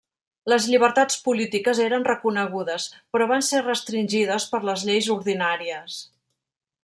Les llibertats polítiques eren reconegudes, però van ser restringides per les lleis ordinàries.